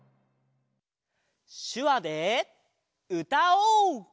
しゅわでうたおう！